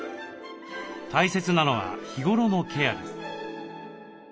大切なのは日頃のケアです。